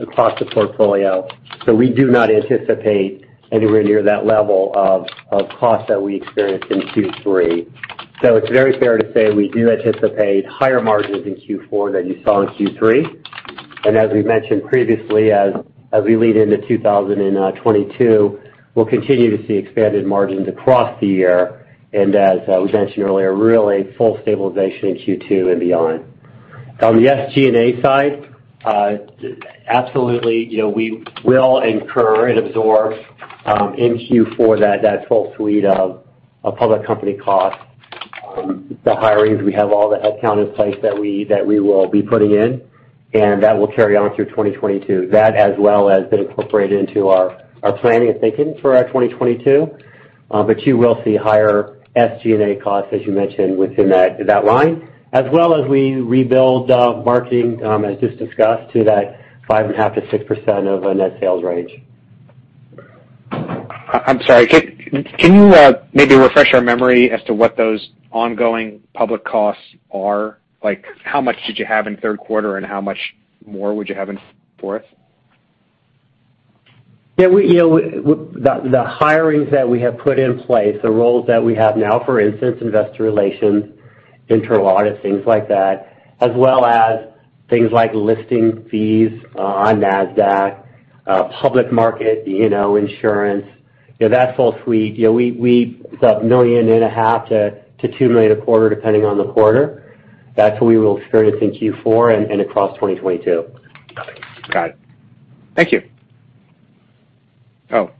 across the portfolio. We do not anticipate anywhere near that level of cost that we experienced in Q3. It's very fair to say we do anticipate higher margins in Q4 than you saw in Q3. As we mentioned previously, as we lead into 2022, we'll continue to see expanded margins across the year. As we mentioned earlier, really full stabilization in Q2 and beyond. On the SG&A side, absolutely, you know, we will incur and absorb in Q4 that full suite of public company costs. The hirings, we have all the headcount in place that we will be putting in, and that will carry on through 2022. That as well has been incorporated into our planning and thinking for our 2022. You will see higher SG&A costs, as you mentioned, within that line, as well as we rebuild marketing, as just discussed, to that 5.5%-6% of net sales range. I'm sorry. Can you maybe refresh our memory as to what those ongoing public costs are? Like, how much did you have in third quarter, and how much more would you have in fourth? Yeah, you know, the hirings that we have put in place, the roles that we have now, for instance, investor relations, internal audit, things like that, as well as things like listing fees on Nasdaq, public market, D&O insurance, you know, that full suite. You know, it'sc 1.5 million-2 million a quarter, depending on the quarter. That's what we will experience in Q4 and across 2022. Got it. Thank you. Oh,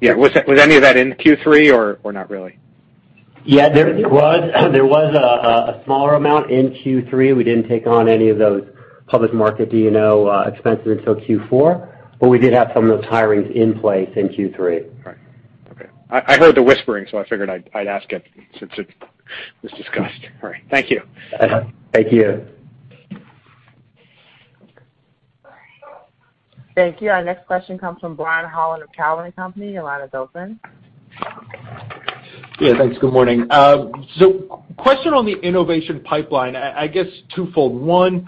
yeah. Was any of that in Q3 or not really? Yeah. There was a smaller amount in Q3. We didn't take on any of those public market D&O expenses until Q4, but we did have some of those hirings in place in Q3. All right. Okay. I heard the whispering, so I figured I'd ask it since it was discussed. All right. Thank you. Thank you. Thank you. Our next question comes from Brian Holland of Cowen and Company. Your line is open. Yeah, thanks. Good morning. Question on the innovation pipeline, I guess twofold. One,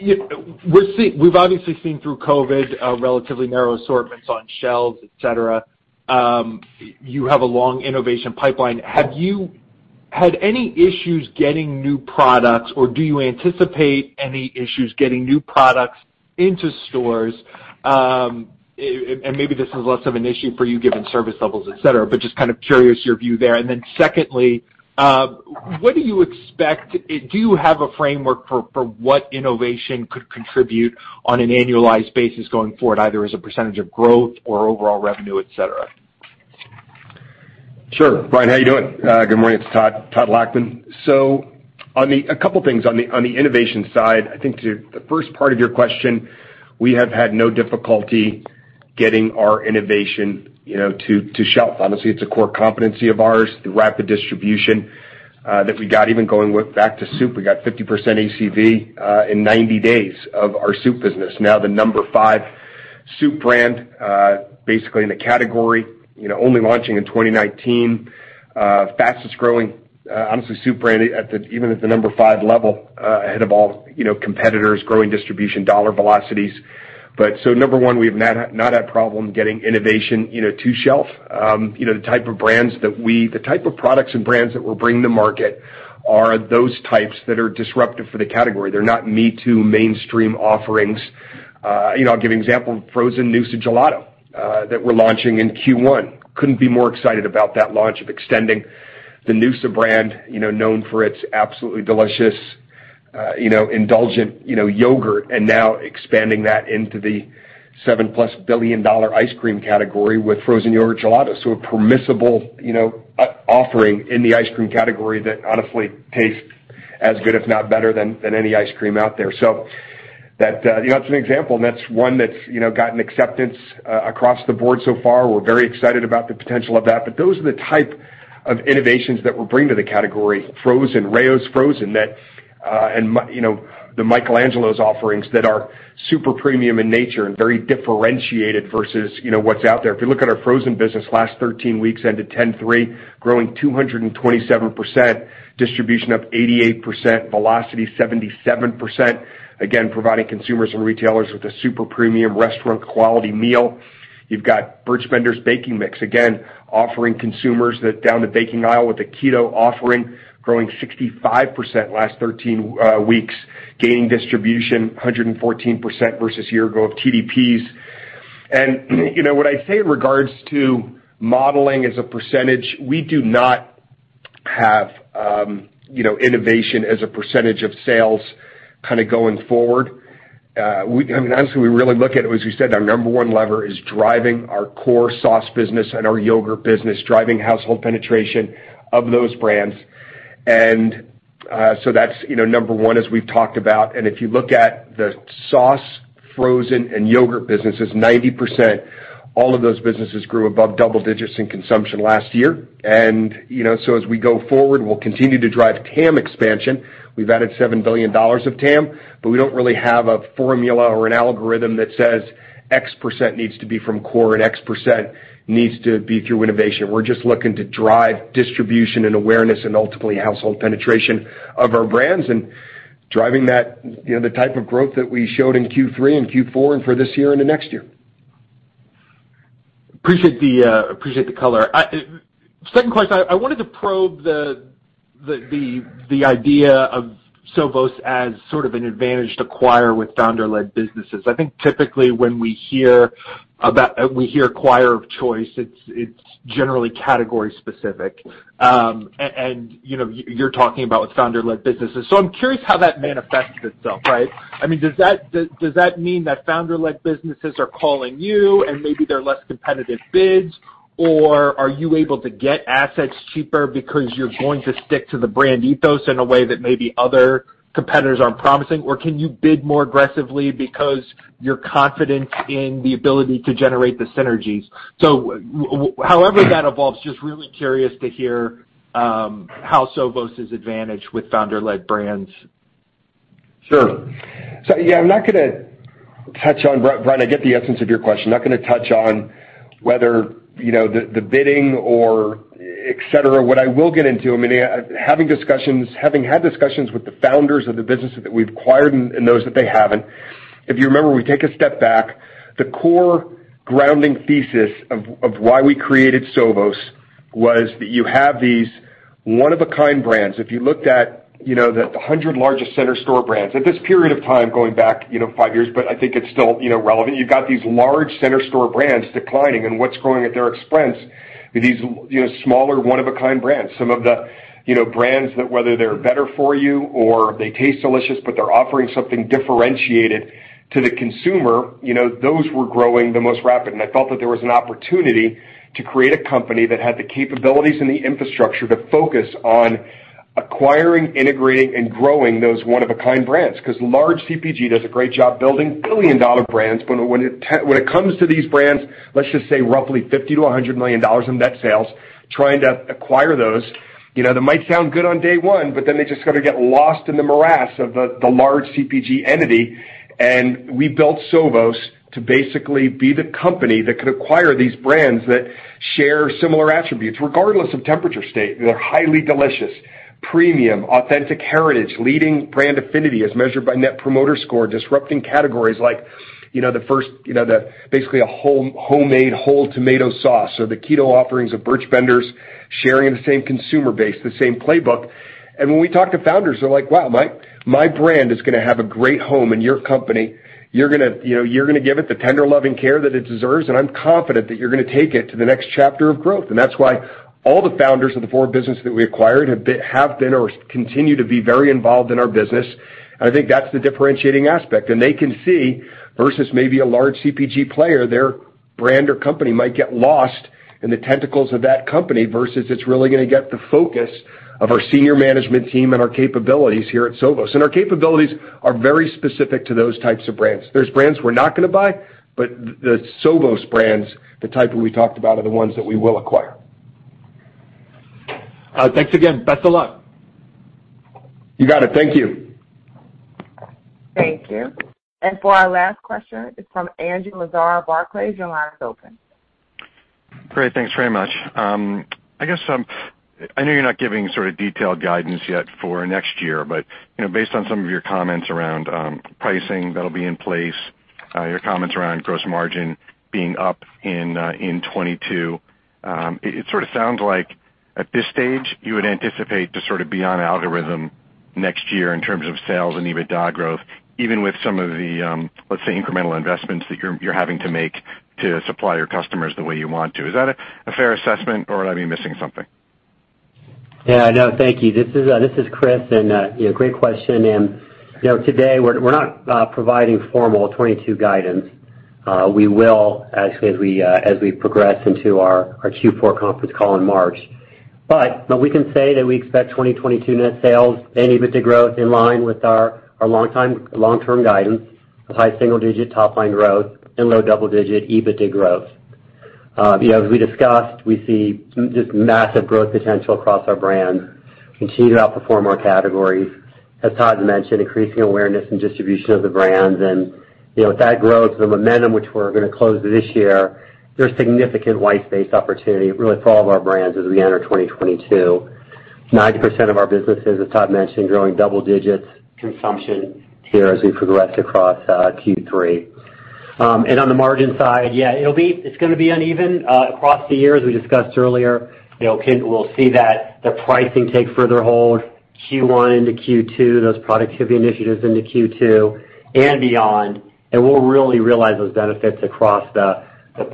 we've obviously seen through COVID relatively narrow assortments on shelves, et cetera. You have a long innovation pipeline. Have you had any issues getting new products, or do you anticipate any issues getting new products into stores? Maybe this is less of an issue for you given service levels, et cetera, but just kind of curious your view there. Secondly, what do you expect? Do you have a framework for what innovation could contribute on an annualized basis going forward, either as a percentage of growth or overall revenue, et cetera? Sure. Brian, how you doing? Good morning. It's Todd Lachman. A couple things on the innovation side. I think to the first part of your question, we have had no difficulty getting our innovation, you know, to shelf. Honestly, it's a core competency of ours, the rapid distribution that we got even going back to soup, we got 50% ACV in 90 days of our soup business. Now the number five soup brand basically in the category, you know, only launching in 2019. Fastest growing, honestly, soup brand even at the number five level, ahead of all you know, competitors, growing distribution, dollar velocities. Number one, we've not had problem getting innovation, you know, to shelf. The type of products and brands that we're bringing to market are those types that are disruptive for the category. They're not me-too mainstream offerings. I'll give you an example. frozen noosa gelato that we're launching in Q1. Couldn't be more excited about that launch of extending the noosa brand, known for its absolutely delicious, indulgent yogurt, and now expanding that into the $7+ billion ice cream category with frozen yogurt gelato. So a permissible offering in the ice cream category that honestly tastes as good, if not better than any ice cream out there. That's an example, and that's one that's gotten acceptance across the board so far. We're very excited about the potential of that. Those are the type of innovations that we're bringing to the category. Frozen Rao's Frozen and, you know, the Michael Angelo's offerings that are super premium in nature and very differentiated versus, you know, what's out there. If you look at our frozen business last 13 weeks ended 10/3, growing 227%, distribution up 88%, velocity 77%, again, providing consumers and retailers with a super premium restaurant quality meal. You've got Birch Benders baking mix, again, offering consumers that down the baking aisle with a keto offering, growing 65% last 13 weeks, gaining distribution 114% versus year ago of TDPs. You know, when I say in regards to modeling as a percentage, we do not have, you know, innovation as a percentage of sales kind of going forward. I mean, honestly, we really look at it, as we said, our number one lever is driving our core sauce business and our yogurt business, driving household penetration of those brands. That's, you know, number one, as we've talked about. If you look at the sauce, frozen, and yogurt businesses, 90% all of those businesses grew above double digits in consumption last year. You know, as we go forward, we'll continue to drive TAM expansion. We've added $7 billion of TAM, but we don't really have a formula or an algorithm that says X% needs to be from core and X% needs to be through innovation. We're just looking to drive distribution and awareness and ultimately household penetration of our brands and driving that, you know, the type of growth that we showed in Q3 and Q4 and for this year into next year. Appreciate the color. Second question, I wanted to probe the idea of Sovos as sort of an advantage to acquire with founder-led businesses. I think typically when we hear acquirer of choice, it's generally category specific. You know, you're talking about with founder-led businesses. I'm curious how that manifests itself, right? I mean, does that mean that founder-led businesses are calling you and maybe they're less competitive bids? Or are you able to get assets cheaper because you're going to stick to the brand ethos in a way that maybe other competitors aren't promising? Or can you bid more aggressively because you're confident in the ability to generate the synergies? However that evolves, just really curious to hear how Sovos is advantaged with founder-led brands. Sure. Yeah, I'm not gonna touch on Brian, I get the essence of your question. I'm not gonna touch on whether, you know, the bidding or et cetera. What I will get into, I mean, having had discussions with the founders of the businesses that we've acquired and those that they haven't. If you remember, we take a step back, the core grounding thesis of why we created Sovos was that you have these one of a kind brands. If you looked at, you know, the 100 largest center store brands at this period of time, going back, you know, five years, but I think it's still, you know, relevant, you've got these large center store brands declining and what's growing at their expense are these, you know, smaller, one of a kind brands. Some of the, you know, brands that whether they're better for you or they taste delicious, but they're offering something differentiated to the consumer, you know, those were growing the most rapid. I felt that there was an opportunity to create a company that had the capabilities and the infrastructure to focus on acquiring, integrating, and growing those one of a kind brands. 'Cause large CPG does a great job building billion dollar brands, but when it comes to these brands, let's just say roughly 50 million-$100 million in net sales, trying to acquire those, you know, that might sound good on day one, but then they just kind of get lost in the morass of the large CPG entity. We built Sovos to basically be the company that could acquire these brands that share similar attributes regardless of temperature state. They're highly delicious, premium, authentic heritage, leading brand affinity as measured by Net Promoter Score, disrupting categories like, you know, the first, you know, the basically a homemade whole tomato sauce or the keto offerings of Birch Benders sharing the same consumer base, the same playbook. When we talk to founders, they're like, "Wow, my brand is gonna have a great home in your company. You're gonna, you know, give it the tender love and care that it deserves, and I'm confident that you're gonna take it to the next chapter of growth." That's why all the founders of the four businesses that we acquired have been or continue to be very involved in our business. I think that's the differentiating aspect. They can see versus maybe a large CPG player, their brand or company might get lost in the tentacles of that company versus it's really gonna get the focus of our senior management team and our capabilities here at Sovos. Our capabilities are very specific to those types of brands. There's brands we're not gonna buy, but the Sovos brands, the type that we talked about, are the ones that we will acquire. Thanks again. Best of luck. You got it. Thank you. Thank you. For our last question, it's from Andrew Lazar of Barclays. Your line is open. Great. Thanks very much. I guess, I know you're not giving sort of detailed guidance yet for next year, but, you know, based on some of your comments around, pricing that'll be in place, your comments around gross margin being up in 2022, it sort of sounds like at this stage you would anticipate to sort of be on algorithm next year in terms of sales and EBITDA growth, even with some of the, let's say, incremental investments that you're having to make to supply your customers the way you want to. Is that a fair assessment or would I be missing something? Yeah, no, thank you. This is Chris. You know, great question. You know, today we're not providing formal 2022 guidance. We will as we progress into our Q4 conference call in March. But we can say that we expect 2022 net sales and EBITDA growth in line with our long-term guidance of high single-digit top-line growth and low double-digit EBITDA growth. You know, as we discussed, we see just massive growth potential across our brands, continue to outperform our categories. As Todd mentioned, increasing awareness and distribution of the brands. You know, with that growth, the momentum which we're gonna close this year, there's significant white space opportunity really for all of our brands as we enter 2022. 90% of our businesses, as Todd mentioned, growing double digits consumption here as we progress across Q3. On the margin side, yeah, it's gonna be uneven across the year, as we discussed earlier. You know, we'll see that the pricing take further hold Q1 into Q2, those productivity initiatives into Q2 and beyond. We'll really realize those benefits across the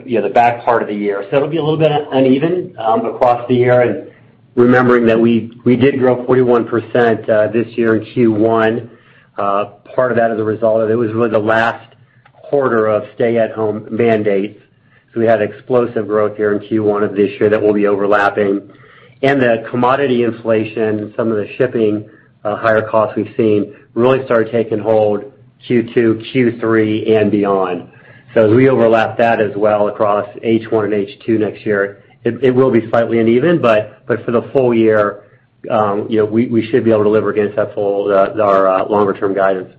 you know, the back part of the year. It'll be a little bit uneven across the year and remembering that we did grow 41% this year in Q1. Part of that is a result of it was really the last quarter of stay at home mandates. We had explosive growth here in Q1 of this year that will be overlapping. The commodity inflation and some of the shipping higher costs we've seen really started taking hold Q2, Q3 and beyond. As we overlap that as well across H1 and H2 next year, it will be slightly uneven, but for the full year, you know, we should be able to deliver against that full our longer term guidance.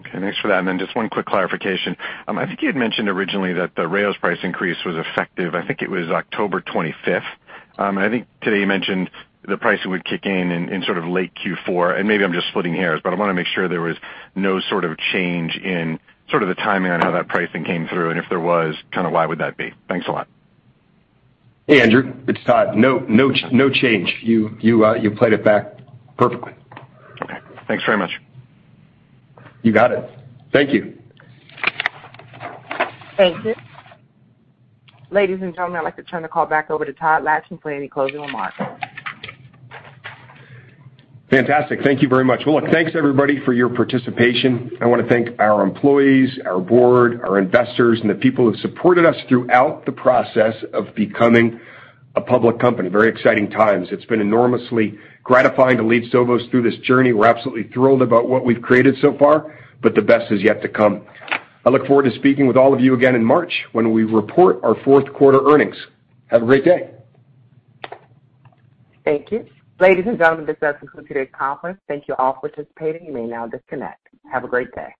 Okay, thanks for that. Just one quick clarification. I think you had mentioned originally that the Rao's price increase was effective, I think it was October twenty-fifth. I think today you mentioned the pricing would kick in sort of late Q4. Maybe I'm just splitting hairs, but I wanna make sure there was no sort of change in sort of the timing on how that pricing came through, and if there was, kinda why would that be? Thanks a lot. Hey, Andrew, it's Todd. No change. You played it back perfectly. Okay, thanks very much. You got it. Thank you. Thank you. Ladies and gentlemen, I'd like to turn the call back over to Todd Lachman for any closing remarks. Fantastic. Thank you very much. Well, look, thanks everybody for your participation. I wanna thank our employees, our board, our investors, and the people who've supported us throughout the process of becoming a public company. Very exciting times. It's been enormously gratifying to lead Sovos through this journey. We're absolutely thrilled about what we've created so far, but the best is yet to come. I look forward to speaking with all of you again in March when we report our fourth quarter earnings. Have a great day. Thank you. Ladies and gentlemen, this does conclude today's conference. Thank you all for participating. You may now disconnect. Have a great day.